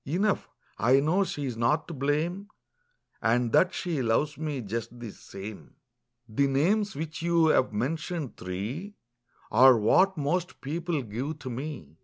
Enough, I know she's not to blame. And that she loves me just the same." Copyrighted, 1897 I HE names which you have mentioned, three, what most people give to me."